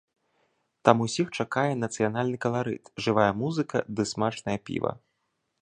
Там усіх чакае нацыянальны каларыт, жывая музыка ды смачнае піва.